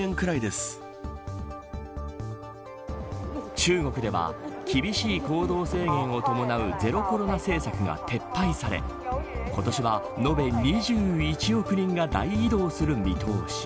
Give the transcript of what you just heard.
中国では厳しい行動制限を伴うゼロコロナ政策が撤廃され今年は延べ２１億人が大移動する見通し。